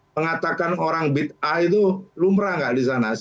mengatakan orang bid'ah itu lumrah nggak di sana